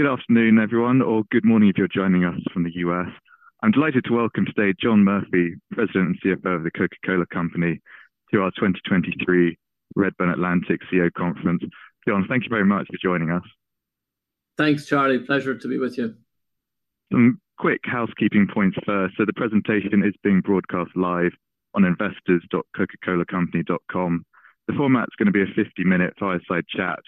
Good afternoon, everyone, or good morning if you're joining us from the U.S. I'm delighted to welcome today John Murphy, President and CFO of The Coca-Cola Company, to our 2023 Redburn Atlantic CEO Conference. John, thank you very much for joining us. Thanks, Charlie. Pleasure to be with you. Some quick housekeeping points first. So the presentation is being broadcast live on investors.coca-colacompany.com. The format's gonna be a 50-minute fireside chat,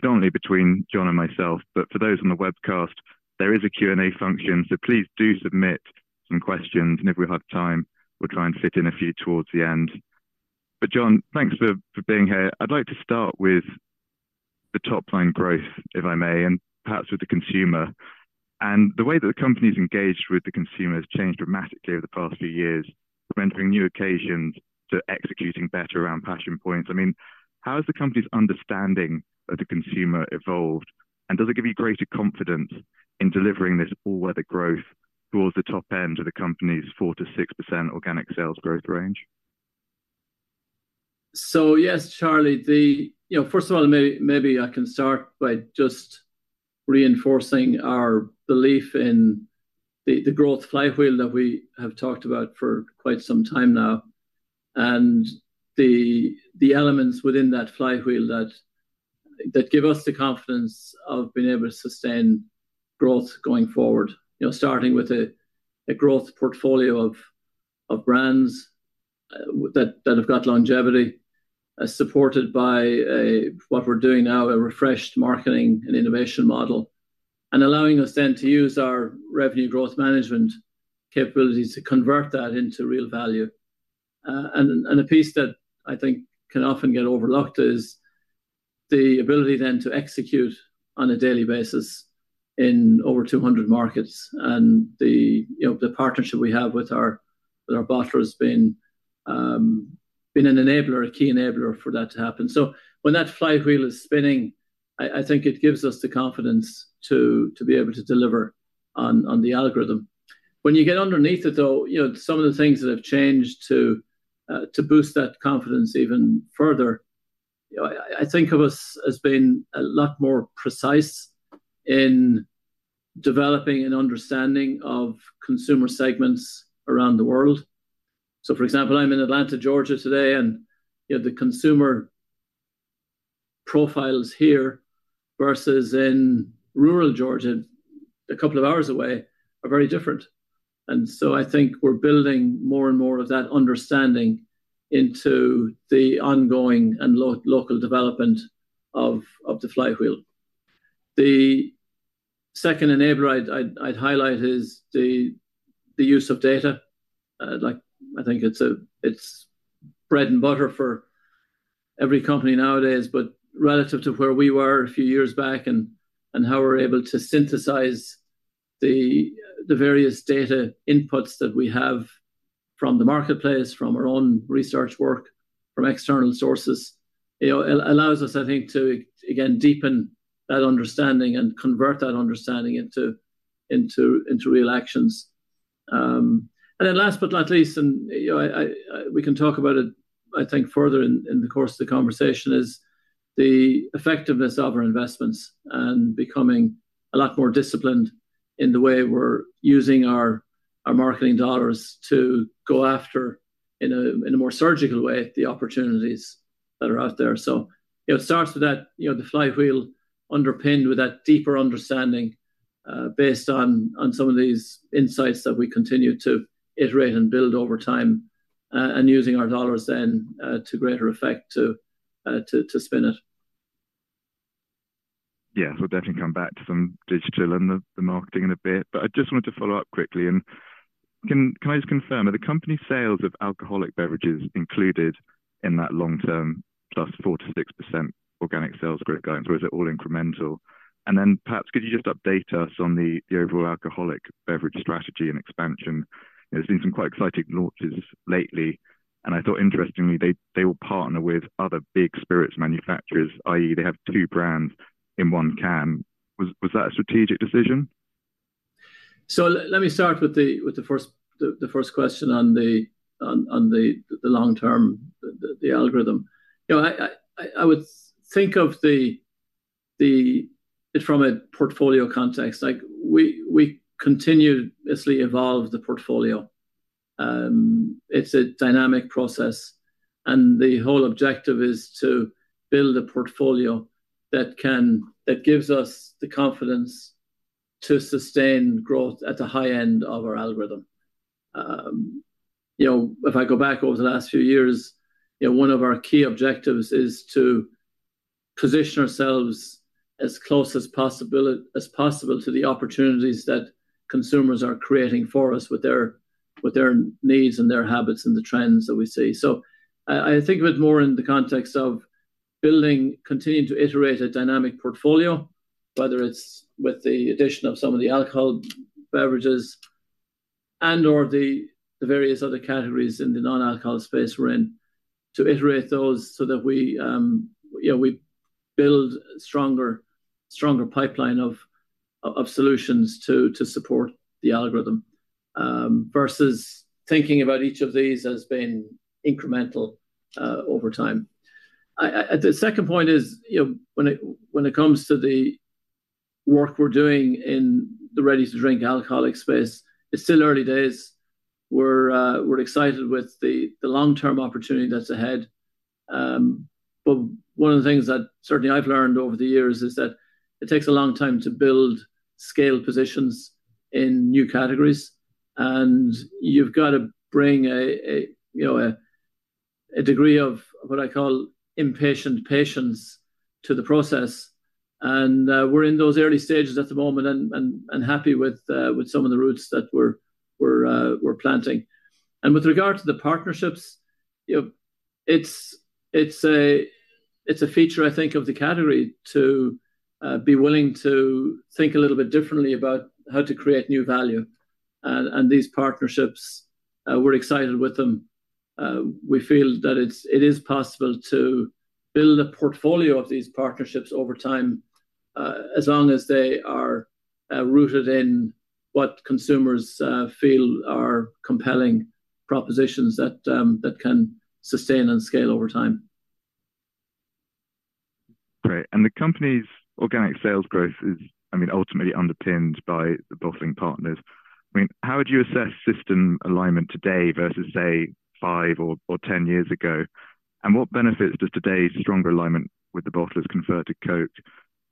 but only between John and myself. But for those on the webcast, there is a Q&A function, so please do submit some questions, and if we have time, we'll try and fit in a few towards the end. But John, thanks for being here. I'd like to start with the top line growth, if I may, and perhaps with the consumer. And the way that the company's engaged with the consumer has changed dramatically over the past few years, from entering new occasions to executing better around passion points. I mean, how has the company's understanding of the consumer evolved? And does it give you greater confidence in delivering this all-weather growth towards the top end of the company's 4%-6% organic sales growth range? So yes, Charlie. You know, first of all, maybe I can start by just reinforcing our belief in the growth flywheel that we have talked about for quite some time now, and the elements within that flywheel that give us the confidence of being able to sustain growth going forward. You know, starting with a growth portfolio of brands that have got longevity, as supported by what we're doing now, a refreshed marketing and innovation model. And allowing us then to use our revenue growth management capabilities to convert that into real value. And a piece that I think can often get overlooked is the ability then to execute on a daily basis in over 200 markets. And you know, the partnership we have with our bottlers has been an enabler, a key enabler for that to happen. So when that flywheel is spinning, I think it gives us the confidence to be able to deliver on the algorithm. When you get underneath it, though, you know, some of the things that have changed to boost that confidence even further, I think of us as being a lot more precise in developing and understanding of consumer segments around the world. So, for example, I'm in Atlanta, Georgia, today, and you know, the consumer profiles here versus in rural Georgia, a couple of hours away, are very different. And so I think we're building more and more of that understanding into the ongoing and local development of the flywheel. The second enabler I'd highlight is the use of data. Like, I think it's bread and butter for every company nowadays, but relative to where we were a few years back and how we're able to synthesize the various data inputs that we have from the marketplace, from our own research work, from external sources. You know, it allows us, I think, to again, deepen that understanding and convert that understanding into real actions. And then last but not least, you know, we can talk about it, I think, further in the course of the conversation, is the effectiveness of our investments and becoming a lot more disciplined in the way we're using our marketing dollars to go after, in a more surgical way, the opportunities that are out there. So it starts with that, you know, the flywheel underpinned with that deeper understanding, based on some of these insights that we continue to iterate and build over time, and using our dollars then to greater effect to spin it. Yes, we'll definitely come back to some digital and the, the marketing in a bit, but I just wanted to follow up quickly. Can, can I just confirm, are the company sales of alcoholic beverages included in that long-term +4%-6% organic sales growth guidance, or is it all incremental? Then perhaps could you just update us on the, the overall alcoholic beverage strategy and expansion? There's been some quite exciting launches lately, and I thought, interestingly, they, they will partner with other big spirits manufacturers, i.e., they have two brands in one can. Was, was that a strategic decision? So let me start with the first question on the long term algorithm. You know, I would think of the... from a portfolio context, like we continuously evolve the portfolio. It's a dynamic process, and the whole objective is to build a portfolio that gives us the confidence to sustain growth at the high end of our algorithm. You know, if I go back over the last few years, you know, one of our key objectives is to position ourselves as close as possible to the opportunities that consumers are creating for us with their needs and their habits and the trends that we see. So I think of it more in the context of building, continuing to iterate a dynamic portfolio, whether it's with the addition of some of the alcoholic beverages and/or the various other categories in the non-alcoholic space we're in, to iterate those so that we, you know, we build stronger pipeline of solutions to support the algorithm versus thinking about each of these as being incremental over time. The second point is, you know, when it comes to the work we're doing in the ready-to-drink alcoholic space, it's still early days. We're excited with the long-term opportunity that's ahead. But one of the things that certainly I've learned over the years is that it takes a long time to build scale positions in new categories, and you've got to bring you know a degree of what I call impatient patience to the process. And we're in those early stages at the moment and happy with some of the roots that we're planting. And with regard to the partnerships, you know, it's a feature, I think, of the category to be willing to think a little bit differently about how to create new value. And these partnerships, we're excited with them. We feel that it is possible to build a portfolio of these partnerships over time, as long as they are rooted in what consumers feel are compelling propositions that can sustain and scale over time. Great. And the company's organic sales growth is, I mean, ultimately underpinned by the bottling partners. I mean, how would you assess system alignment today versus, say, five or 10 years ago? And what benefits does today's stronger alignment with the bottlers confer to Coke?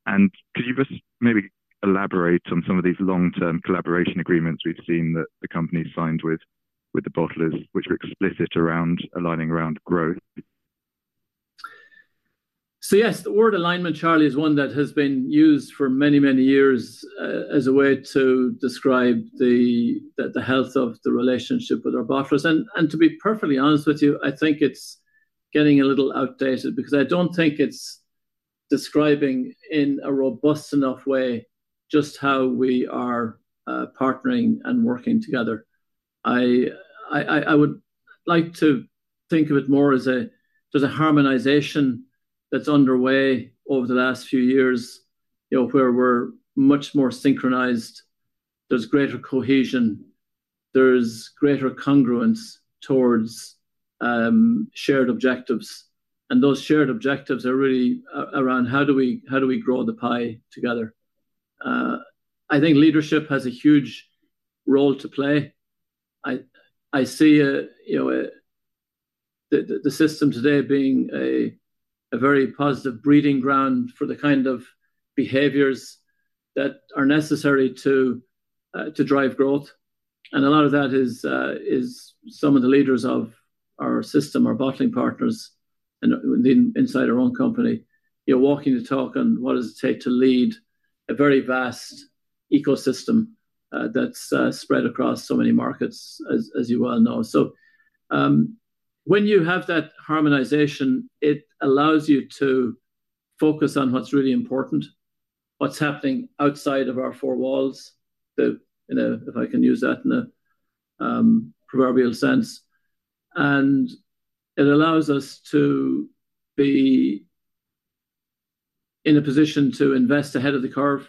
And could you just maybe elaborate on some of these long-term collaboration agreements we've seen that the company signed with the bottlers, which were explicit around aligning around growth? So yes, the word alignment, Charlie, is one that has been used for many, many years as a way to describe the health of the relationship with our bottlers. And to be perfectly honest with you, I think it's getting a little outdated, because I don't think it's describing in a robust enough way just how we are partnering and working together. I would like to think of it more as there's a harmonization that's underway over the last few years, you know, where we're much more synchronized, there's greater cohesion, there's greater congruence towards shared objectives. And those shared objectives are really around how do we, how do we grow the pie together? I think leadership has a huge role to play. I see, you know, a... The system today being a very positive breeding ground for the kind of behaviors that are necessary to drive growth. And a lot of that is some of the leaders of our system, our bottling partners, and inside our own company. You're walking the talk on what does it take to lead a very vast ecosystem that's spread across so many markets, as you well know. So, when you have that harmonization, it allows you to focus on what's really important, what's happening outside of our four walls. You know, if I can use that in a proverbial sense. And it allows us to be in a position to invest ahead of the curve.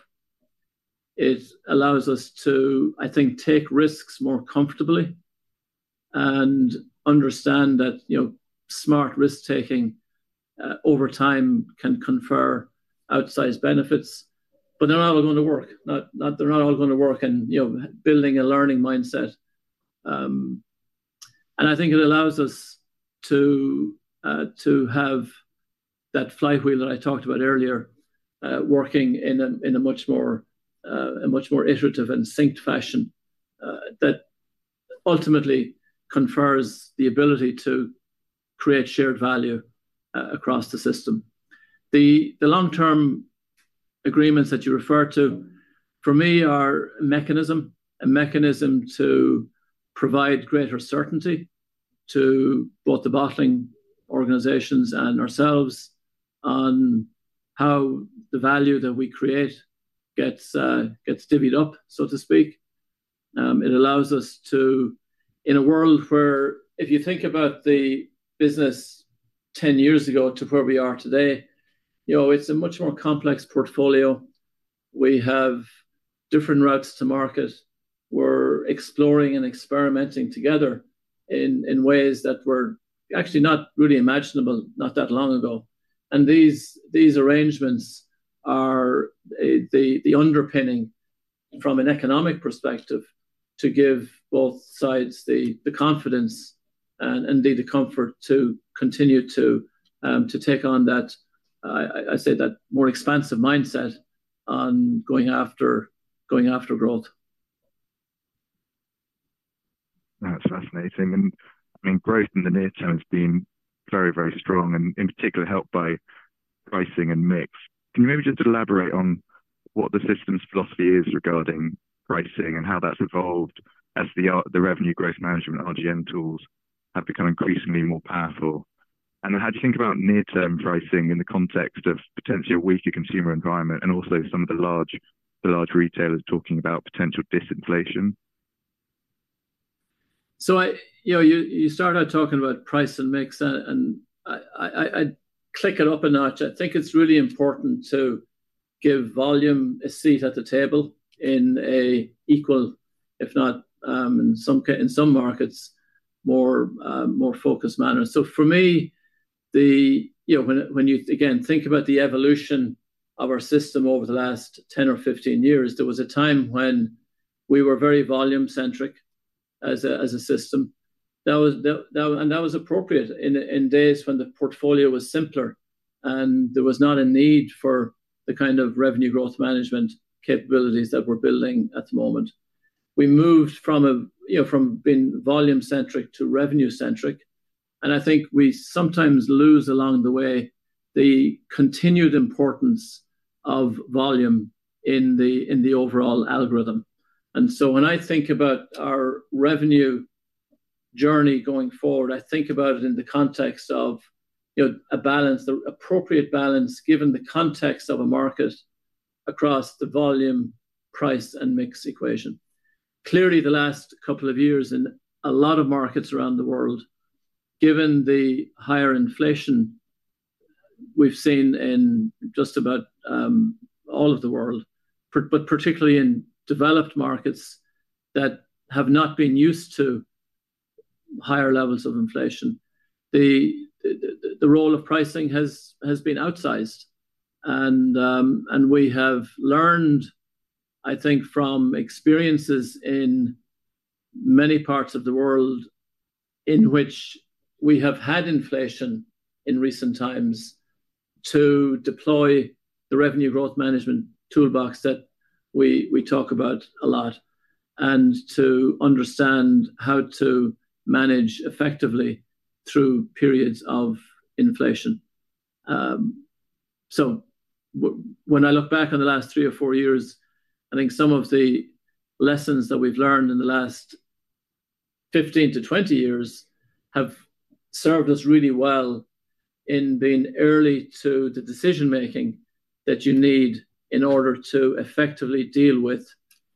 It allows us to, I think, take risks more comfortably and understand that, you know, smart risk-taking over time can confer outsized benefits, but they're not all going to work. Not all going to work and, you know, building a learning mindset. And I think it allows us to have that flywheel that I talked about earlier, working in a much more iterative and synced fashion that ultimately confers the ability to create shared value across the system. The long-term agreements that you refer to, for me, are a mechanism to provide greater certainty to both the bottling organizations and ourselves on how the value that we create gets divvied up, so to speak. It allows us to, in a world where if you think about the business 10 years ago to where we are today, you know, it's a much more complex portfolio. We have different routes to market. We're exploring and experimenting together in ways that were actually not really imaginable, not that long ago. And these arrangements are the underpinning from an economic perspective to give both sides the confidence and indeed the comfort to continue to take on that, I say that more expansive mindset on going after growth. That's fascinating. And I mean, growth in the near term has been very, very strong and in particular, helped by pricing and mix. Can you maybe just elaborate on what the system's philosophy is regarding pricing and how that's evolved as the, the revenue growth management, RGM tools, have become increasingly more powerful? And how do you think about near-term pricing in the context of potentially a weaker consumer environment and also some of the large, the large retailers talking about potential disinflation? ... So I, you know, you, you started out talking about price and mix, and I, I, I'd click it up a notch. I think it's really important to give volume a seat at the table in an equal, if not, in some markets, more focused manner. So for me, you know, when you, again, think about the evolution of our system over the last 10 or 15 years, there was a time when we were very volume-centric as a system. That was, and that was appropriate in days when the portfolio was simpler, and there was not a need for the kind of revenue growth management capabilities that we're building at the moment. We moved from a, you know, from being volume-centric to revenue-centric, and I think we sometimes lose along the way the continued importance of volume in the, in the overall algorithm. And so when I think about our revenue journey going forward, I think about it in the context of, you know, a balance, the appropriate balance, given the context of a market across the volume, price, and mix equation. Clearly, the last couple of years in a lot of markets around the world, given the higher inflation we've seen in just about all of the world, but particularly in developed markets that have not been used to higher levels of inflation, the role of pricing has been outsized. We have learned, I think, from experiences in many parts of the world in which we have had inflation in recent times, to deploy the revenue growth management toolbox that we talk about a lot, and to understand how to manage effectively through periods of inflation. So when I look back on the last three or four years, I think some of the lessons that we've learned in the last 15 to 20 years have served us really well in being early to the decision-making that you need in order to effectively deal with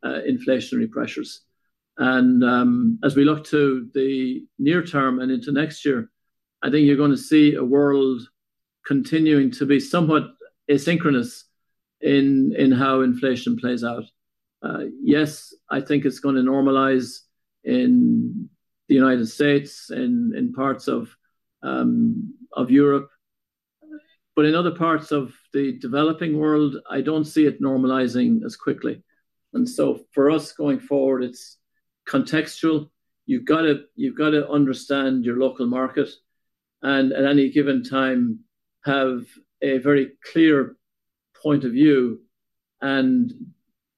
inflationary pressures. As we look to the near term and into next year, I think you're gonna see a world continuing to be somewhat asynchronous in how inflation plays out. Yes, I think it's gonna normalize in the United States and in parts of Europe, but in other parts of the developing world, I don't see it normalizing as quickly. And so for us going forward, it's contextual. You've got to understand your local market, and at any given time, have a very clear point of view and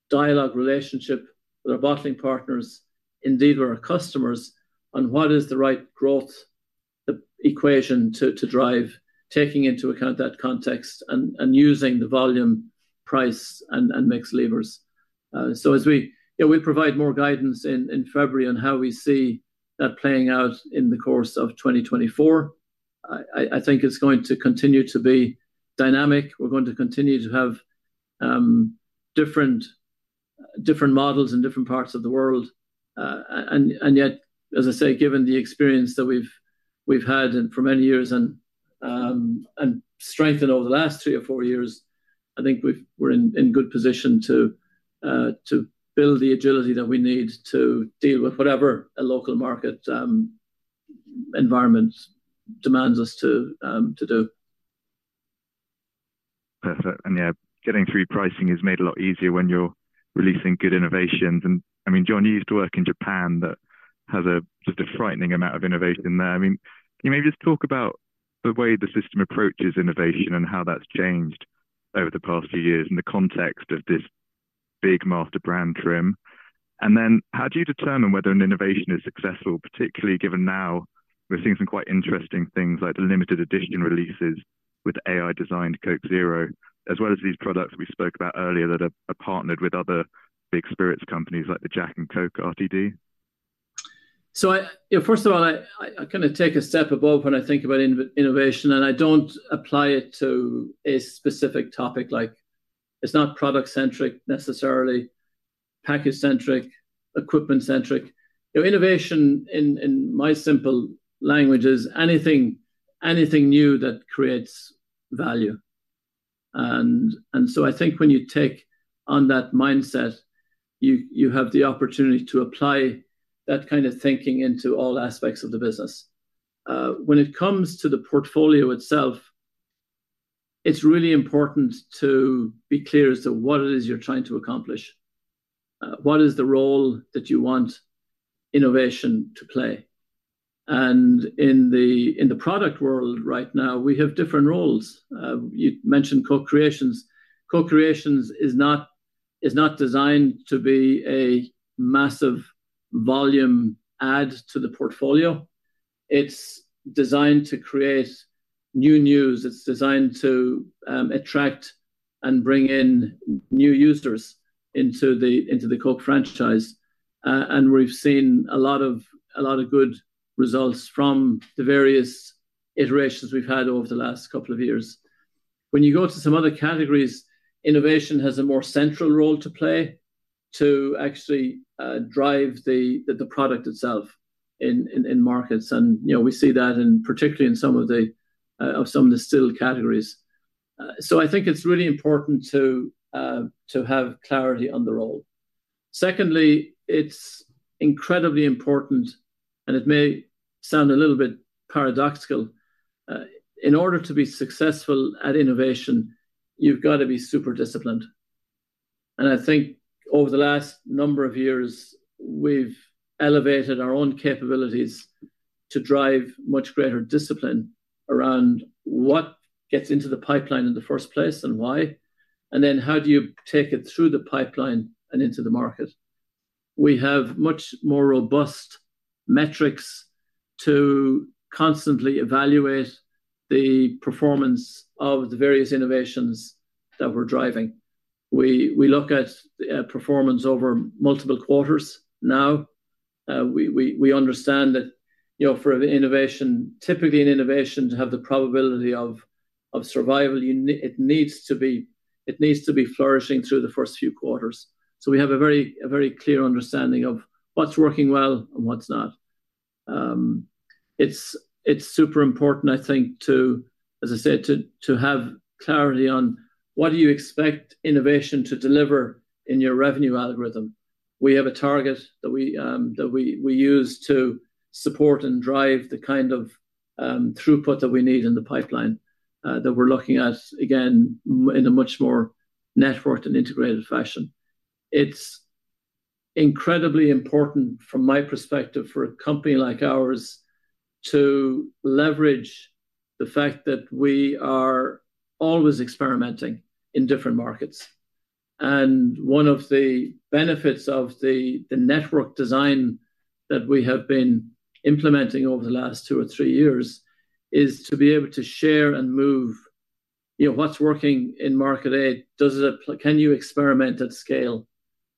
dialogue relationship with our bottling partners, indeed, our customers, on what is the right growth equation to drive, taking into account that context and using the volume, price, and mix levers. So as we... Yeah, we'll provide more guidance in February on how we see that playing out in the course of 2024. I think it's going to continue to be dynamic. We're going to continue to have different models in different parts of the world. And yet, as I say, given the experience that we've had for many years and strengthened over the last three or four years, I think we're in good position to build the agility that we need to deal with whatever a local market environment demands us to do. Perfect. And, yeah, getting through pricing is made a lot easier when you're releasing good innovations. And, I mean, John, you used to work in Japan that has just a frightening amount of innovation there. I mean, can you maybe just talk about the way the system approaches innovation and how that's changed over the past few years in the context of this big master brand trim? And then how do you determine whether an innovation is successful, particularly given now we're seeing some quite interesting things like the limited edition releases with AI-designed Coke Zero, as well as these products we spoke about earlier that are partnered with other big spirits companies like the Jack and Coke RTD? You know, first of all, I kind of take a step above when I think about innovation, and I don't apply it to a specific topic. Like, it's not product-centric, necessarily, package-centric, equipment-centric. You know, innovation, in my simple language, is anything, anything new that creates value. And so I think when you take on that mindset, you have the opportunity to apply that kind of thinking into all aspects of the business. When it comes to the portfolio itself, it's really important to be clear as to what it is you're trying to accomplish. What is the role that you want innovation to play? And in the product world right now, we have different roles. You mentioned co-creations. Co-creations is not designed to be a massive volume add to the portfolio. It's designed to create new news. It's designed to attract and bring in new users into the Coke franchise. And we've seen a lot of good results from the various iterations we've had over the last couple of years. When you go to some other categories, innovation has a more central role to play to actually drive the product itself in markets. And, you know, we see that particularly in some of the still categories. So I think it's really important to have clarity on the role. Secondly, it's incredibly important, and it may sound a little bit paradoxical, in order to be successful at innovation, you've got to be super disciplined. I think over the last number of years, we've elevated our own capabilities to drive much greater discipline around what gets into the pipeline in the first place and why, and then how do you take it through the pipeline and into the market. We have much more robust metrics to constantly evaluate the performance of the various innovations that we're driving. We look at performance over multiple quarters now. We understand that, you know, for an innovation-typically, an innovation to have the probability of survival, it needs to be, it needs to be flourishing through the first few quarters. So we have a very clear understanding of what's working well and what's not. It's super important, I think, to, as I said, to have clarity on what do you expect innovation to deliver in your revenue algorithm. We have a target that we, that we use to support and drive the kind of throughput that we need in the pipeline, that we're looking at, again, in a much more networked and integrated fashion. It's incredibly important, from my perspective, for a company like ours to leverage the fact that we are always experimenting in different markets. And one of the benefits of the network design that we have been implementing over the last two or three years is to be able to share and move, you know, what's working in market A, does it apply... Can you experiment at scale?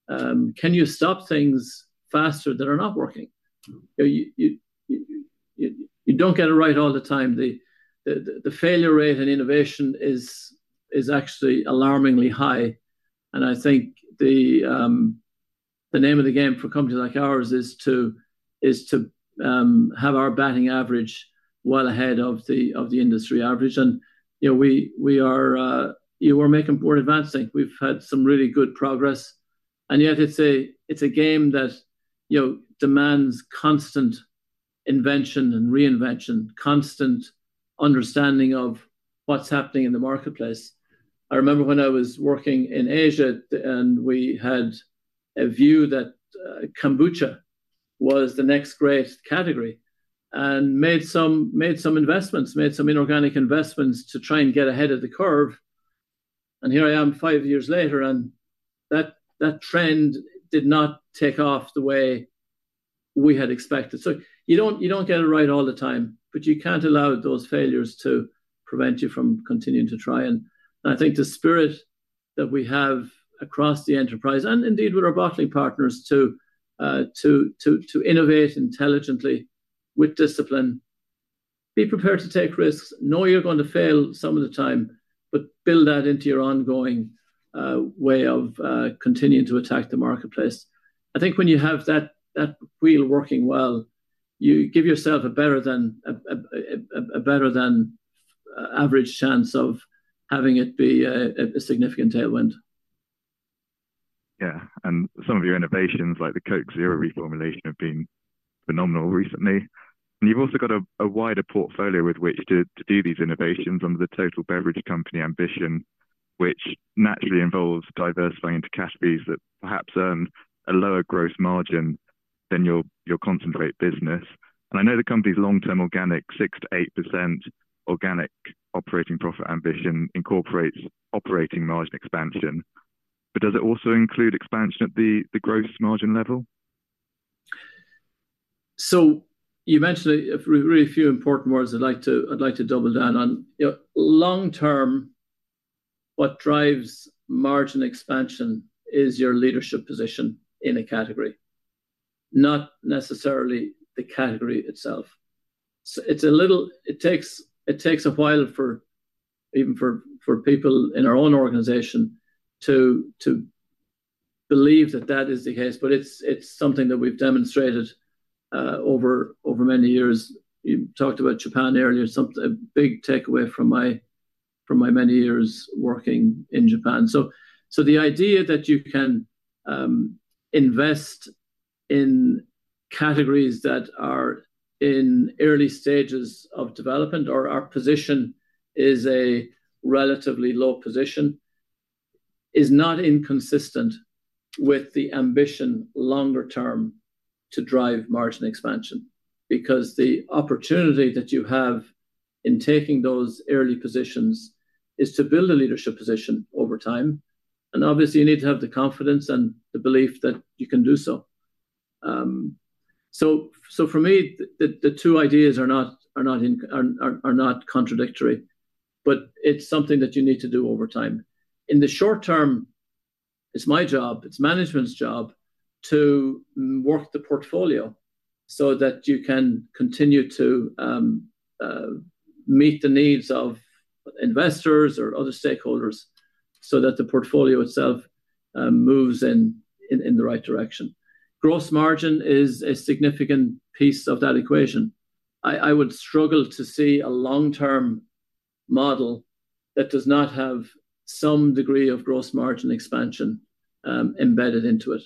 Can you stop things faster that are not working? You don't get it right all the time. The failure rate in innovation is actually alarmingly high, and I think the name of the game for companies like ours is to have our batting average well ahead of the industry average. And, you know, we are, you know, we're making poor advancing. We've had some really good progress, and yet it's a game that, you know, demands constant invention and reinvention, constant understanding of what's happening in the marketplace. I remember when I was working in Asia, and we had a view that kombucha was the next great category, and made some investments, made some inorganic investments to try and get ahead of the curve. And here I am, five years later, and that trend did not take off the way we had expected. So you don't, you don't get it right all the time, but you can't allow those failures to prevent you from continuing to try. And I think the spirit that we have across the enterprise, and indeed with our bottling partners, to innovate intelligently with discipline. Be prepared to take risks. Know you're going to fail some of the time, but build that into your ongoing way of continuing to attack the marketplace. I think when you have that wheel working well, you give yourself a better than average chance of having it be a significant tailwind. Yeah. Some of your innovations, like the Coke Zero reformulation, have been phenomenal recently. You've also got a wider portfolio with which to do these innovations under the total beverage company ambition, which naturally involves diversifying into categories that perhaps earn a lower gross margin than your concentrate business. I know the company's long-term organic 6%-8% organic operating profit ambition incorporates operating margin expansion, but does it also include expansion at the gross margin level? So you mentioned a very few important words I'd like to, I'd like to double down on. You know, long term, what drives margin expansion is your leadership position in a category, not necessarily the category itself. So it's a little. It takes, it takes a while for even for, for people in our own organization to, to believe that that is the case, but it's, it's something that we've demonstrated over, over many years. You talked about Japan earlier. A big takeaway from my, from my many years working in Japan. So, so the idea that you can invest in categories that are in early stages of development or our position is a relatively low position, is not inconsistent with the ambition longer term to drive margin expansion. Because the opportunity that you have in taking those early positions is to build a leadership position over time, and obviously you need to have the confidence and the belief that you can do so. So for me, the two ideas are not contradictory, but it's something that you need to do over time. In the short term. It's my job, it's management's job to work the portfolio so that you can continue to meet the needs of investors or other stakeholders, so that the portfolio itself moves in the right direction. Gross Margin is a significant piece of that equation. I would struggle to see a long-term model that does not have some degree of gross margin expansion embedded into it.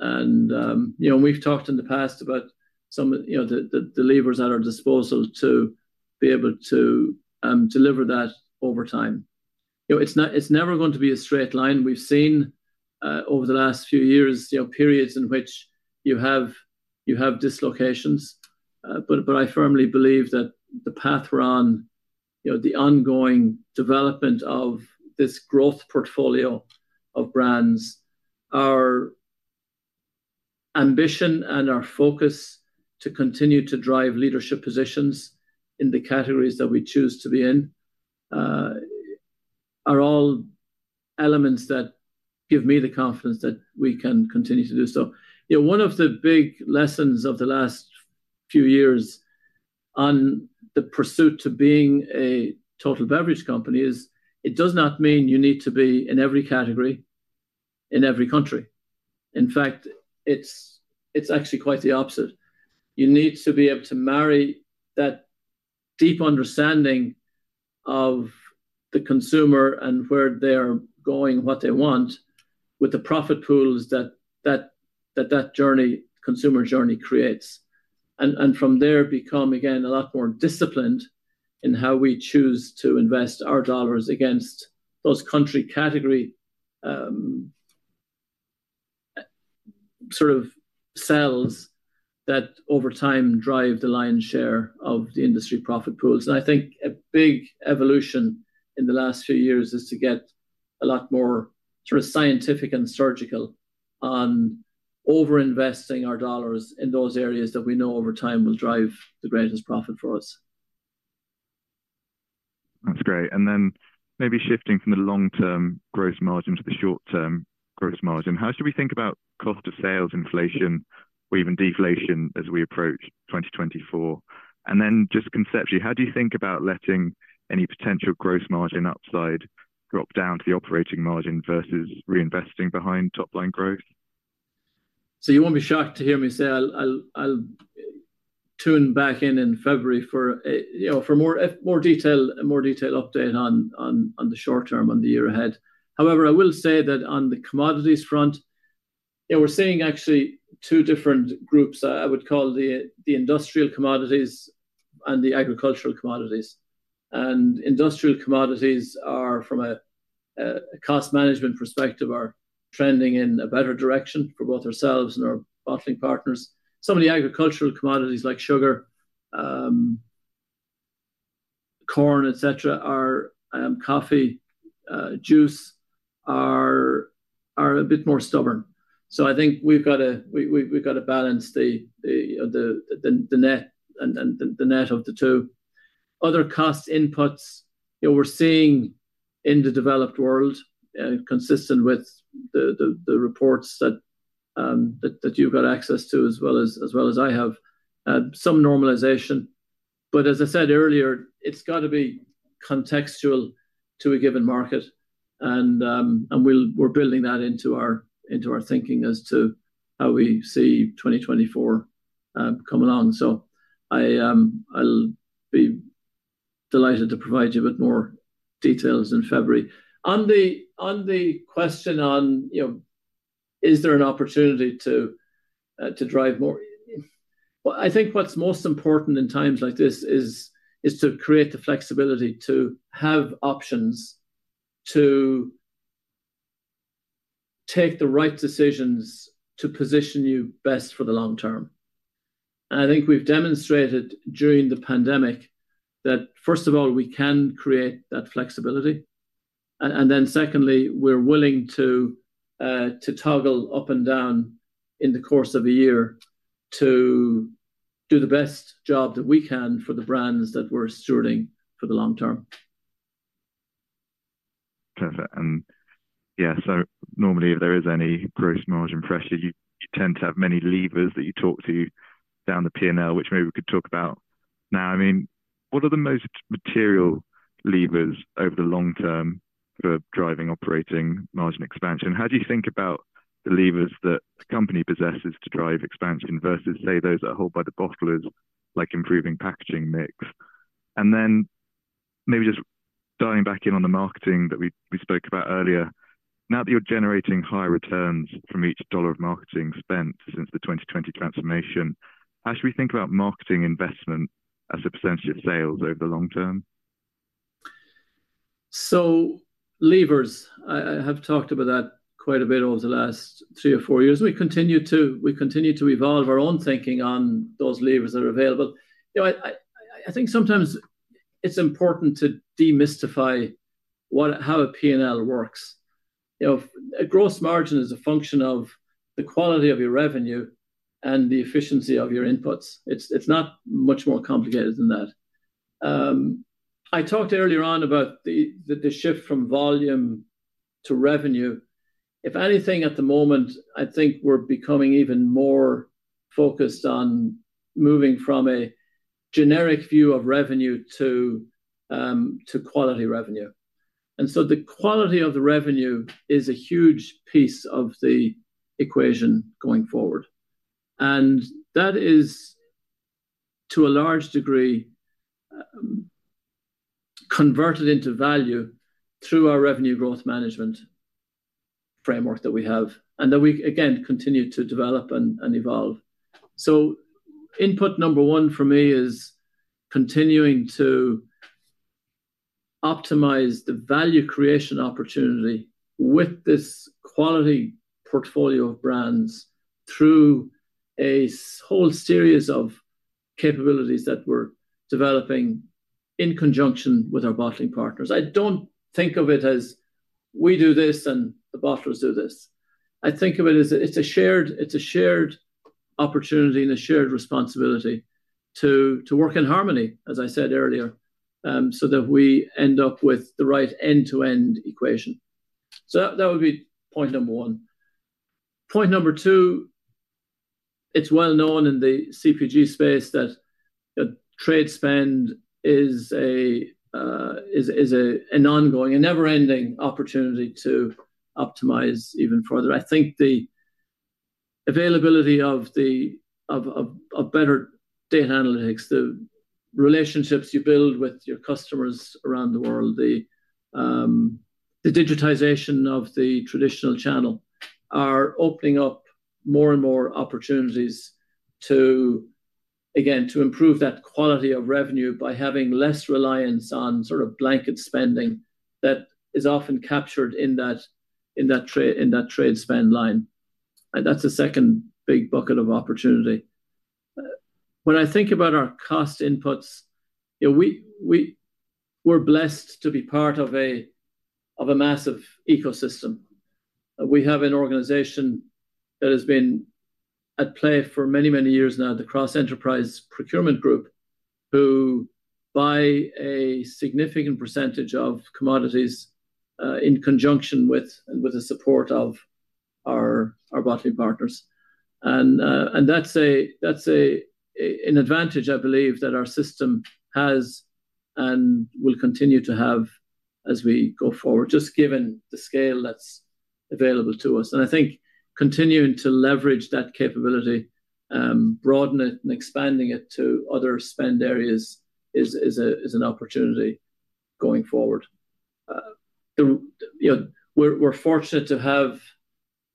You know, we've talked in the past about some of, you know, the levers at our disposal to be able to deliver that over time. You know, it's not. It's never going to be a straight line. We've seen over the last few years, you know, periods in which you have dislocations. But I firmly believe that the path we're on, you know, the ongoing development of this growth portfolio of brands, our ambition and our focus to continue to drive leadership positions in the categories that we choose to be in, are all elements that give me the confidence that we can continue to do so. You know, one of the big lessons of the last few years on the pursuit to being a total beverage company is, it does not mean you need to be in every category in every country. In fact, it's actually quite the opposite. You need to be able to marry that deep understanding of the consumer and where they're going, what they want, with the profit pools that journey, consumer journey creates. And from there, become again, a lot more disciplined in how we choose to invest our dollars against those country category, sort of cells that over time drive the lion's share of the industry profit pools. I think a big evolution in the last few years is to get a lot more sort of scientific and surgical on over-investing our dollars in those areas that we know over time will drive the greatest profit for us. That's great. And then maybe shifting from the long-term gross margin to the short-term gross margin, how should we think about cost of sales inflation or even deflation as we approach 2024? And then just conceptually, how do you think about letting any potential gross margin upside drop down to the operating margin versus reinvesting behind top-line growth? So you won't be shocked to hear me say I'll tune back in in February for, you know, for more detail, a more detailed update on the short term on the year ahead. However, I will say that on the commodities front, yeah, we're seeing actually two different groups. I would call the industrial commodities and the agricultural commodities. Industrial commodities are, from a cost management perspective, trending in a better direction for both ourselves and our bottling partners. Some of the agricultural commodities like sugar, corn, et cetera, coffee, juice, are a bit more stubborn. So I think we've got to balance the net and the net of the two. Other cost inputs, you know, we're seeing in the developed world consistent with the reports that you've got access to, as well as I have, some normalization. But as I said earlier, it's got to be contextual to a given market. And we're building that into our thinking as to how we see 2024 coming on. So I'll be delighted to provide you with more details in February. On the question, you know, is there an opportunity to drive more? Well, I think what's most important in times like this is to create the flexibility to have options, to take the right decisions to position you best for the long term. I think we've demonstrated during the pandemic that, first of all, we can create that flexibility. And then secondly, we're willing to toggle up and down in the course of a year to do the best job that we can for the brands that we're stewarding for the long term. Perfect. And yeah, so normally, if there is any gross margin pressure, you, you tend to have many levers that you talk to down the P&L, which maybe we could talk about now. I mean, what are the most material levers over the long term for driving operating margin expansion? How do you think about the levers that the company possesses to drive expansion versus, say, those that are held by the bottlers, like improving packaging mix? And then maybe just dialing back in on the marketing that we, we spoke about earlier. Now that you're generating higher returns from each dollar of marketing spent since the 2020 transformation, how should we think about marketing investment as a percentage of sales over the long term? So levers, I have talked about that quite a bit over the last three or four years. We continue to evolve our own thinking on those levers that are available. You know, I think sometimes it's important to demystify what, how a P&L works. You know, a gross margin is a function of the quality of your revenue and the efficiency of your inputs. It's not much more complicated than that. I talked earlier on about the shift from volume to revenue. If anything, at the moment, I think we're becoming even more focused on moving from a generic view of revenue to quality revenue. And so the quality of the revenue is a huge piece of the equation going forward, and that is, to a large degree, converted into value through our revenue growth management framework that we have, and that we, again, continue to develop and evolve. So input number one for me is continuing to optimize the value creation opportunity with this quality portfolio of brands through a whole series of capabilities that we're developing in conjunction with our bottling partners. I don't think of it as we do this and the bottlers do this. I think of it as... it's a shared, it's a shared opportunity and a shared responsibility to work in harmony, as I said earlier, so that we end up with the right end-to-end equation. So that would be point number one. Point number two, it's well known in the CPG space that trade spend is an ongoing, never-ending opportunity to optimize even further. I think the availability of better data analytics, the relationships you build with your customers around the world, the digitization of the traditional channel, are opening up more and more opportunities to, again, improve that quality of revenue by having less reliance on sort of blanket spending that is often captured in that trade spend line. That's the second big bucket of opportunity. When I think about our cost inputs, you know, we're blessed to be part of a massive ecosystem. We have an organization that has been at play for many, many years now, the Cross-Enterprise Procurement Group, who, by a significant percentage of commodities, in conjunction with and with the support of our bottling partners. And that's an advantage I believe that our system has and will continue to have as we go forward, just given the scale that's available to us. And I think continuing to leverage that capability, broaden it and expanding it to other spend areas is an opportunity going forward. You know, we're fortunate to have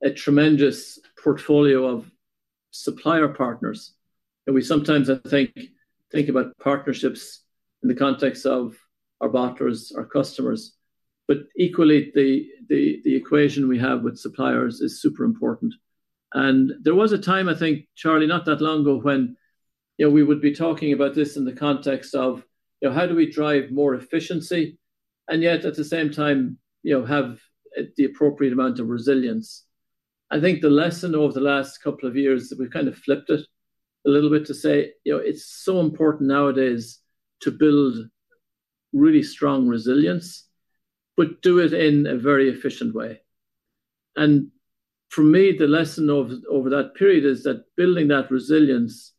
a tremendous portfolio of supplier partners, and we sometimes, I think, think about partnerships in the context of our bottlers, our customers, but equally, the equation we have with suppliers is super important. There was a time, I think, Charlie, not that long ago, when, you know, we would be talking about this in the context of, you know, how do we drive more efficiency, and yet, at the same time, you know, have the appropriate amount of resilience? I think the lesson over the last couple of years, we've kind of flipped it a little bit to say, you know, it's so important nowadays to build really strong resilience, but do it in a very efficient way. For me, the lesson over that period is that building that resilience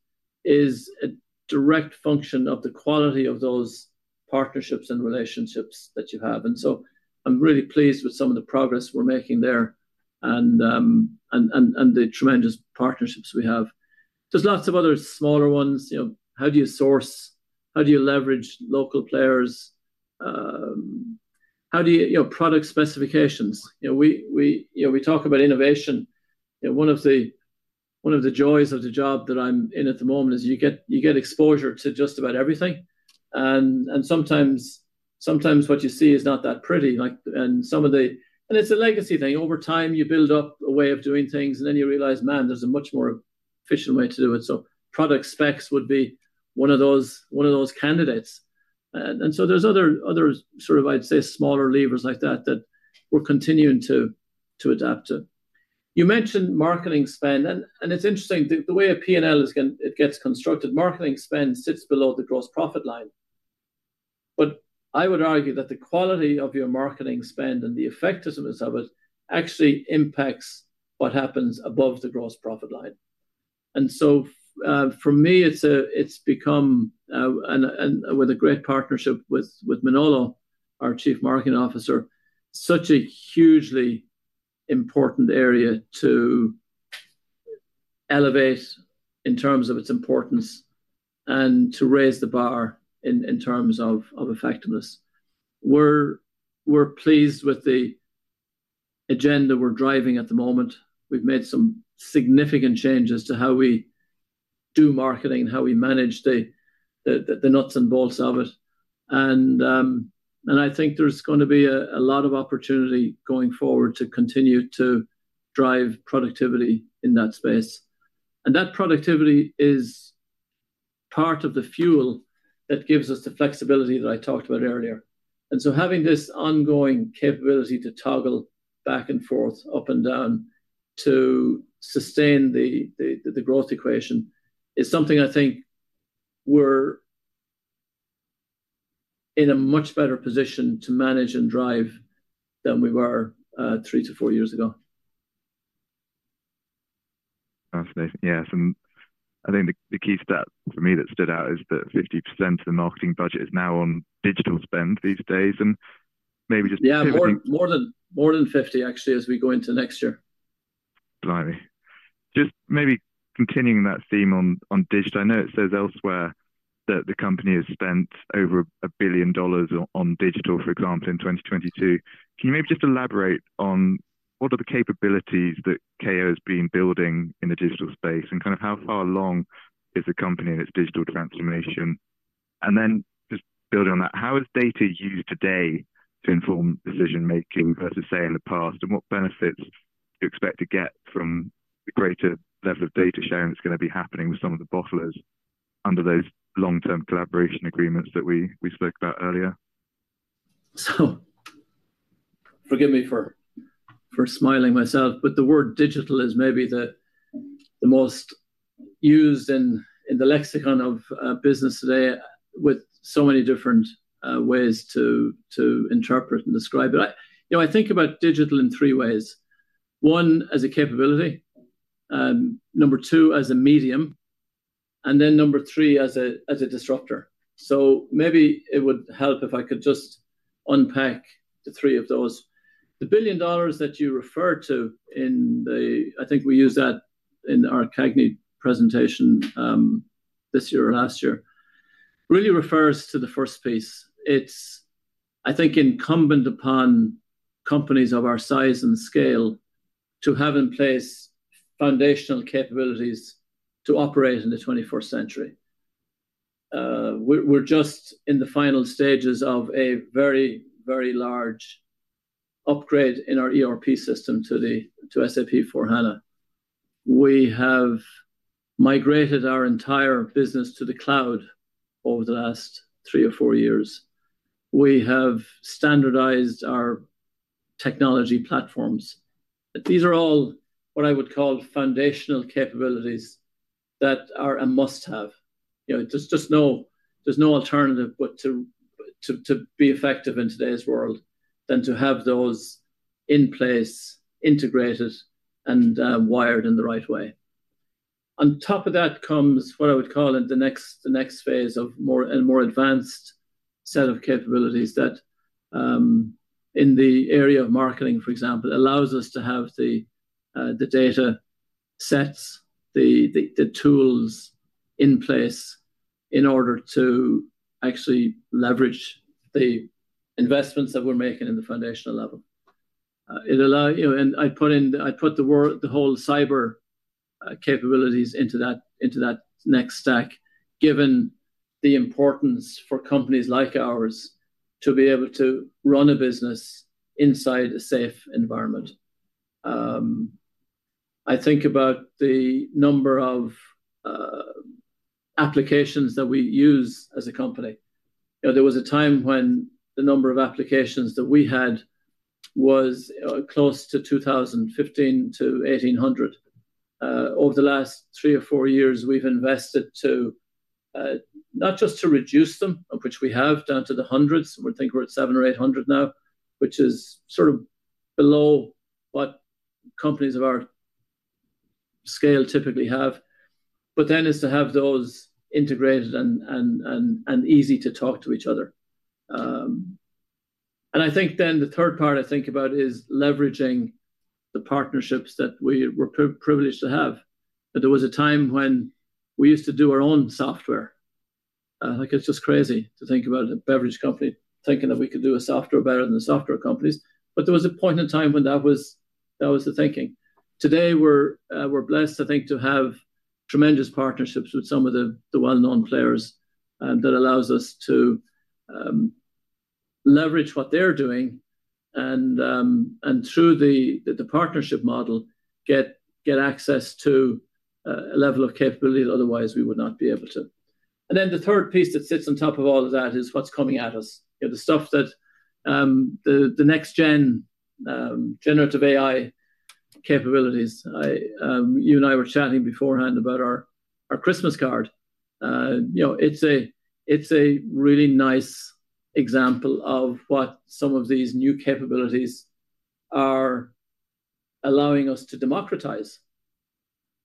is a direct function of the quality of those partnerships and relationships that you have. So I'm really pleased with some of the progress we're making there and the tremendous partnerships we have. There's lots of other smaller ones. You know, how do you source? How do you leverage local players? You know, product specifications. You know, we you know, we talk about innovation, and one of the joys of the job that I'm in at the moment is you get exposure to just about everything. And sometimes what you see is not that pretty, like, and some of the... And it's a legacy thing. Over time, you build up a way of doing things, and then you realize, man, there's a much more efficient way to do it. So product specs would be one of those candidates. And so there's other sort of, I'd say, smaller levers like that that we're continuing to adapt to. You mentioned marketing spend, and it's interesting, the way a P&L is gotten, it gets constructed. Marketing spend sits below the gross profit line. But I would argue that the quality of your marketing spend and the effectiveness of it actually impacts what happens above the gross profit line. And so, for me, it's... It's become, and with a great partnership with Manolo, our Chief Marketing Officer, such a hugely important area to elevate in terms of its importance and to raise the bar in terms of effectiveness. We're pleased with the agenda we're driving at the moment. We've made some significant changes to how we do marketing and how we manage the nuts and bolts of it. I think there's gonna be a lot of opportunity going forward to continue to drive productivity in that space. And that productivity is part of the fuel that gives us the flexibility that I talked about earlier. And so having this ongoing capability to toggle back and forth, up and down, to sustain the growth equation is something I think we're in a much better position to manage and drive than we were three to four years ago. Fascinating. Yeah, I think the key stat for me that stood out is that 50% of the marketing budget is now on digital spend these days, and maybe just- Yeah, more than 50, actually, as we go into next year. Blimey! Just maybe continuing that theme on, on digital. I know it says elsewhere that the company has spent over $1 billion on, on digital, for example, in 2022. Can you maybe just elaborate on what are the capabilities that KO has been building in the digital space, and kind of how far along is the company in its digital transformation? And then just building on that, how is data used today to inform decision-making versus, say, in the past, and what benefits do you expect to get from the greater level of data sharing that's gonna be happening with some of the bottlers under those long-term collaboration agreements that we, we spoke about earlier? So forgive me for smiling myself, but the word digital is maybe the most used in the lexicon of business today, with so many different ways to interpret and describe it. You know, I think about digital in three ways. One, as a capability, number two, as a medium, and then number three, as a disruptor. So maybe it would help if I could just unpack the three of those. The $1 billion that you referred to in the. I think we used that in our CAGNY presentation, this year or last year, really refers to the first piece. It's, I think, incumbent upon companies of our size and scale to have in place foundational capabilities to operate in the twenty-first century. We're just in the final stages of a very, very large upgrade in our ERP system to SAP S/4HANA. We have migrated our entire business to the cloud over the last three or four years. We have standardized our technology platforms. These are all what I would call foundational capabilities that are a must-have. You know, there's just no alternative but to be effective in today's world than to have those in place, integrated, and wired in the right way. On top of that comes what I would call the next phase of a more advanced set of capabilities that in the area of marketing, for example, allows us to have the data sets, the tools in place in order to actually leverage the investments that we're making in the foundational level. It allows, you know. I put the whole cyber capabilities into that next stack, given the importance for companies like ours to be able to run a business inside a safe environment. I think about the number of applications that we use as a company. You know, there was a time when the number of applications that we had was close to 2,000, 1,500-1,800. Over the last three or four years, we've invested to not just reduce them, of which we have, down to the hundreds. I think we're at 700 or 800 now, which is sort of below what companies of our scale typically have. But then is to have those integrated and easy to talk to each other. And I think then the third part I think about is leveraging the partnerships that we're privileged to have. There was a time when we used to do our own software. Like, it's just crazy to think about a beverage company thinking that we could do a software better than the software companies, but there was a point in time when that was, that was the thinking. Today, we're, we're blessed, I think, to have tremendous partnerships with some of the, the well-known players, that allows us to, leverage what they're doing, and, and through the, the partnership model, get, get access to, a level of capability that otherwise we would not be able to. And then the third piece that sits on top of all of that is what's coming at us. You know, the stuff that, the, the next gen, Generative AI capabilities. I... You and I were chatting beforehand about our, our Christmas card. You know, it's a, it's a really nice example of what some of these new capabilities are allowing us to democratize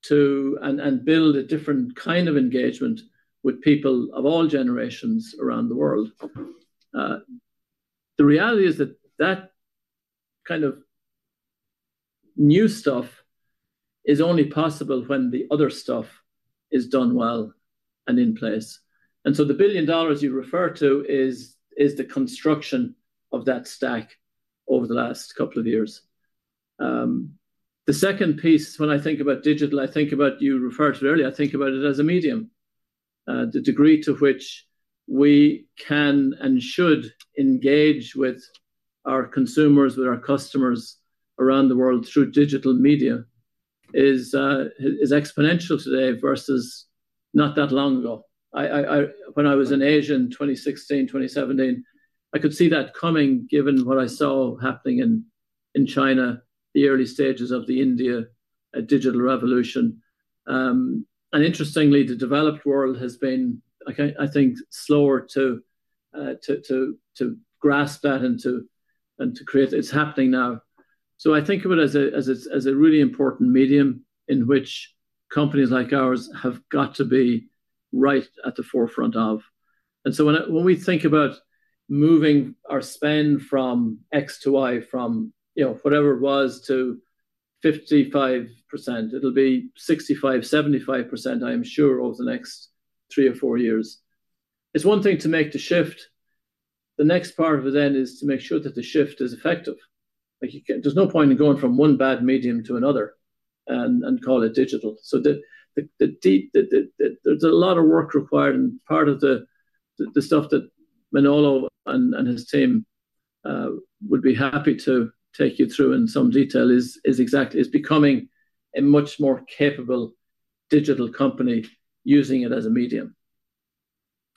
to... and, and build a different kind of engagement with people of all generations around the world. The reality is that that kind of new stuff is only possible when the other stuff is done well and in place. And so the $1 billion you refer to is, is the construction of that stack over the last couple of years. The second piece, when I think about digital, I think about... You referred to it earlier, I think about it as a medium. The degree to which we can and should engage with our consumers, with our customers around the world through digital media... is exponential today versus not that long ago. When I was in Asia in 2016, 2017, I could see that coming, given what I saw happening in China, the early stages of the India, a digital revolution. Interestingly, the developed world has been, I think, slower to grasp that and to create... It's happening now. So I think of it as a really important medium in which companies like ours have got to be right at the forefront of. When we think about moving our spend from X to Y, from, you know, whatever it was to 55%, it'll be 65%-75%, I am sure, over the next three or four years. It's one thing to make the shift. The next part of it then is to make sure that the shift is effective. Like, you can... There's no point in going from one bad medium to another and call it digital. So the deep, there's a lot of work required, and part of the stuff that Manolo and his team would be happy to take you through in some detail is exact. It's becoming a much more capable digital company using it as a medium.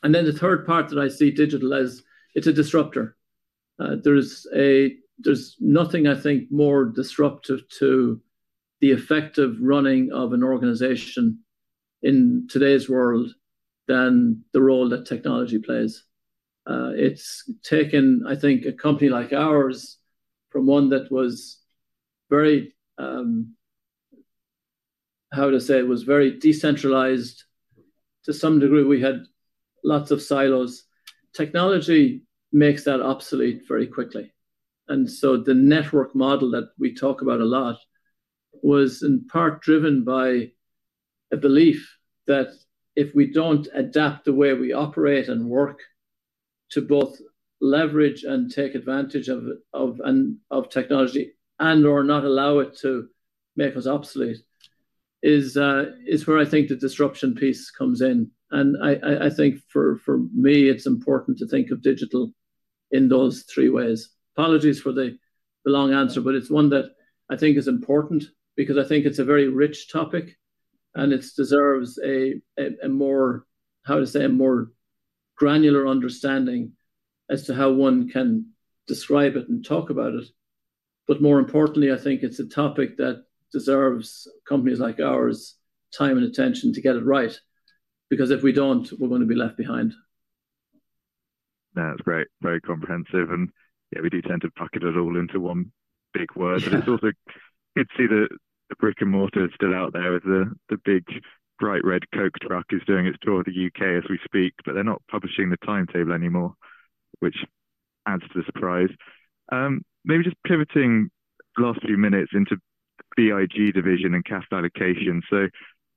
And then the third part that I see digital as, it's a disruptor. There's nothing, I think, more disruptive to the effective running of an organization in today's world than the role that technology plays. It's taken, I think, a company like ours from one that was very decentralized to some degree. We had lots of silos. Technology makes that obsolete very quickly. And so the network model that we talk about a lot was in part driven by a belief that if we don't adapt the way we operate and work to both leverage and take advantage of technology, and/or not allow it to make us obsolete, is where I think the disruption piece comes in. And I think for me, it's important to think of digital in those three ways. Apologies for the long answer, but it's one that I think is important, because I think it's a very rich topic, and it deserves a more, how to say, a more granular understanding as to how one can describe it and talk about it. But more importantly, I think it's a topic that deserves companies like ours time and attention to get it right, because if we don't, we're gonna be left behind. That's great. Very comprehensive, and, yeah, we do tend to bucket it all into one big word. But it's also good to see the brick-and-mortar is still out there with the big bright red Coke truck is doing its tour of the U.K. as we speak, but they're not publishing the timetable anymore, which adds to the surprise. Maybe just pivoting the last few minutes into BIG division and cash allocation. So,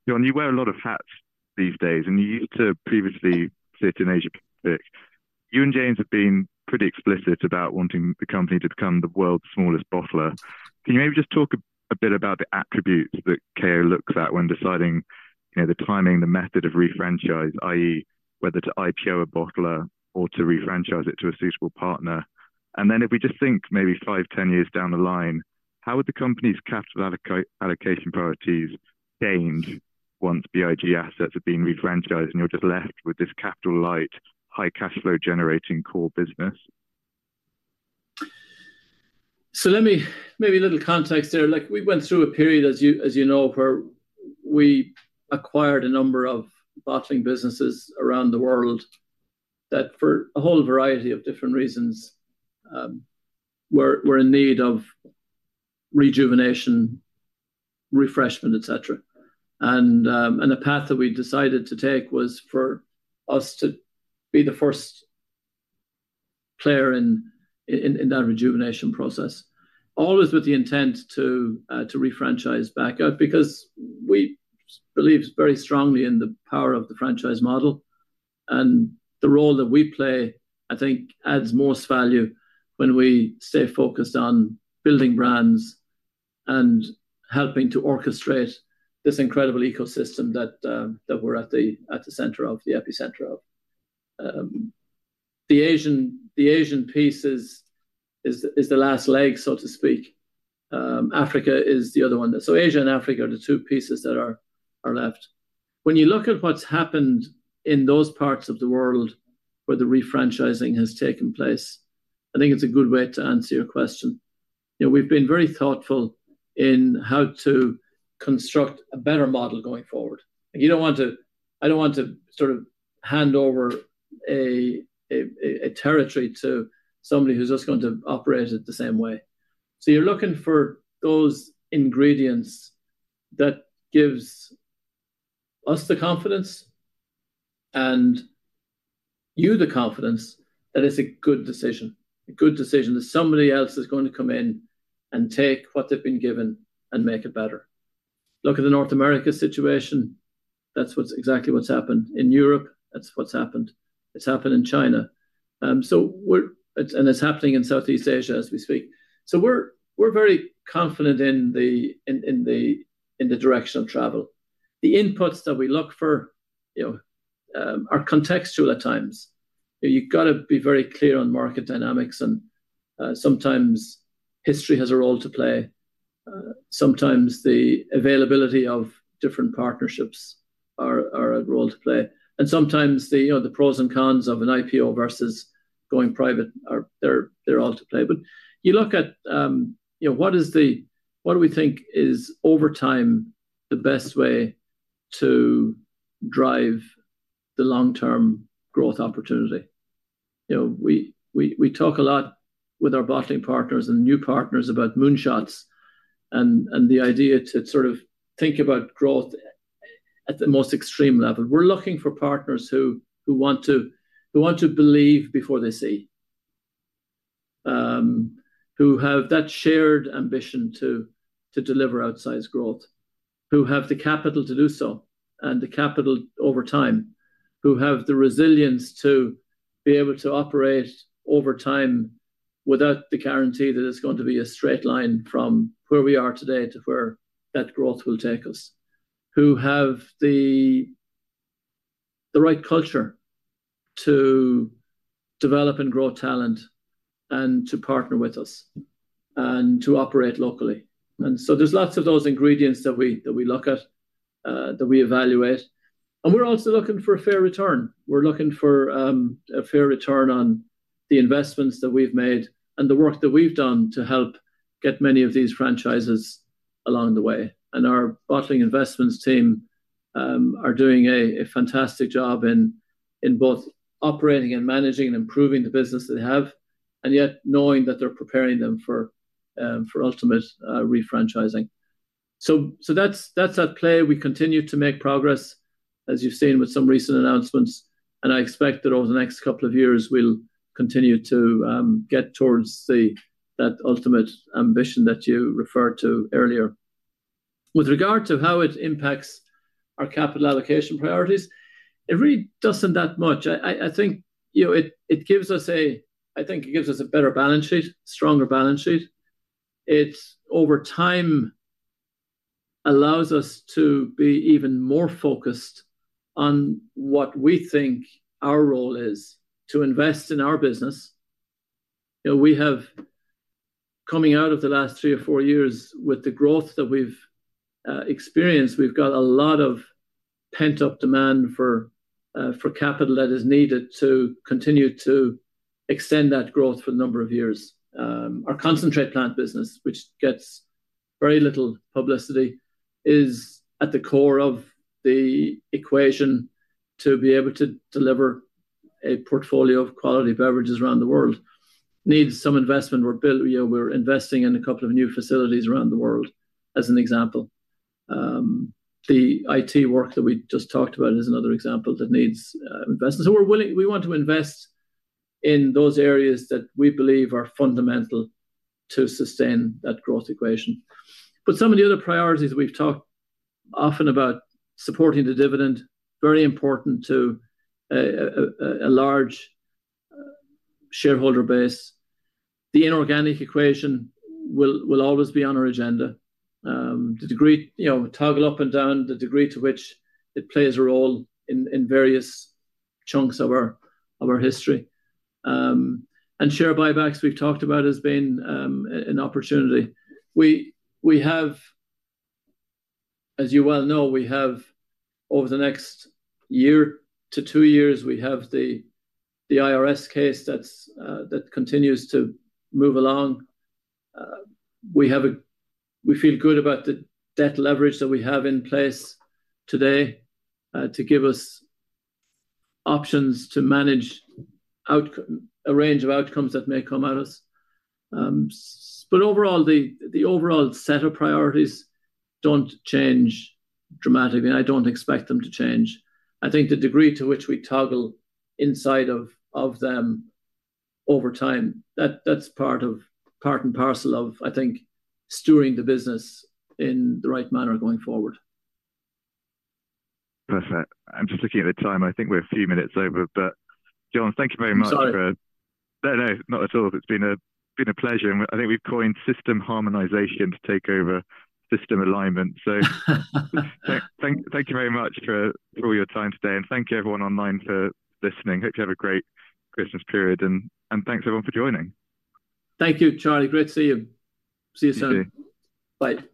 John, you wear a lot of hats these days, and you used to previously sit in Asia Pacific. You and James have been pretty explicit about wanting the company to become the world's smallest bottler. Can you maybe just talk a bit about the attributes that KO looks at when deciding, you know, the timing, the method of refranchise, i.e., whether to IPO a bottler or to refranchise it to a suitable partner? Then if we just think maybe five, 10 years down the line, how would the company's capital allocation priorities change once BIG assets have been refranchised, and you're just left with this capital-light, high cash flow generating core business? So let me, maybe a little context there. Like, we went through a period, as you, as you know, where we acquired a number of bottling businesses around the world that, for a whole variety of different reasons, were in need of rejuvenation, refreshment, et cetera. And the path that we decided to take was for us to be the first player in that rejuvenation process. Always with the intent to refranchise back out, because we believe very strongly in the power of the franchise model, and the role that we play, I think, adds most value when we stay focused on building brands and helping to orchestrate this incredible ecosystem that we're at the center of, the epicenter of. The Asian piece is the last leg, so to speak. Africa is the other one. So Asia and Africa are the two pieces that are left. When you look at what's happened in those parts of the world where the refranchising has taken place, I think it's a good way to answer your question. You know, we've been very thoughtful in how to construct a better model going forward. You don't want to, I don't want to sort of hand over a territory to somebody who's just going to operate it the same way. So you're looking for those ingredients that gives us the confidence and you the confidence that it's a good decision, a good decision, that somebody else is going to come in and take what they've been given and make it better. Look at the North America situation. That's what's exactly what's happened. In Europe, that's what's happened. It's happened in China. It's happening in Southeast Asia as we speak. So we're very confident in the direction of travel. The inputs that we look for, you know, are contextual at times. You've got to be very clear on market dynamics and sometimes history has a role to play. Sometimes the availability of different partnerships are a role to play. And sometimes, you know, the pros and cons of an IPO versus going private are. They're all to play. But you look at, you know, what do we think is, over time, the best way to drive the long-term growth opportunity? You know, we talk a lot with our bottling partners and new partners about moonshots, and the idea to sort of think about growth at the most extreme level. We're looking for partners who want to believe before they see. Who have that shared ambition to deliver outsized growth, who have the capital to do so, and the capital over time. Who have the resilience to be able to operate over time without the guarantee that it's going to be a straight line from where we are today to where that growth will take us. Who have the right culture to develop and grow talent, and to partner with us, and to operate locally. And so there's lots of those ingredients that we look at, that we evaluate, and we're also looking for a fair return. We're looking for a fair return on the investments that we've made and the work that we've done to help get many of these franchises along the way. Our bottling investments team are doing a fantastic job in both operating and managing and improving the business they have, and yet knowing that they're preparing them for ultimate refranchising. That's at play. We continue to make progress, as you've seen with some recent announcements, and I expect that over the next couple of years, we'll continue to get towards the... that ultimate ambition that you referred to earlier. With regard to how it impacts our capital allocation priorities, it really doesn't that much. I think, you know, it gives us a better balance sheet, stronger balance sheet. It, over time, allows us to be even more focused on what we think our role is to invest in our business. You know, we have, coming out of the last three or four years with the growth that we've experienced, we've got a lot of pent-up demand for capital that is needed to continue to extend that growth for a number of years. Our concentrate plant business, which gets very little publicity, is at the core of the equation to be able to deliver a portfolio of quality beverages around the world. Needs some investment. You know, we're investing in a couple of new facilities around the world, as an example. The IT work that we just talked about is another example that needs investment. So we're willing we want to invest in those areas that we believe are fundamental to sustain that growth equation. But some of the other priorities, we've talked often about supporting the dividend, very important to a large shareholder base. The inorganic equation will always be on our agenda. The degree, you know, toggle up and down, the degree to which it plays a role in various chunks of our history. And share buybacks, we've talked about, has been an opportunity. We have. As you well know, we have, over the next one to two years, we have the IRS case that's that continues to move along. We feel good about the debt leverage that we have in place today to give us options to manage a range of outcomes that may come at us. But overall, the overall set of priorities don't change dramatically, and I don't expect them to change. I think the degree to which we toggle inside of them over time, that's part of, part and parcel of, I think, steering the business in the right manner going forward. Perfect. I'm just looking at the time. I think we're a few minutes over, but, John, thank you very much for- I'm sorry. No, no, not at all. It's been a pleasure, and I think we've coined system harmonization to take over system alignment. So thank you very much for your time today. And thank you everyone online for listening. Hope you have a great Christmas period, and thanks, everyone, for joining. Thank you, Charlie. Great to see you. See you soon. See you. Bye.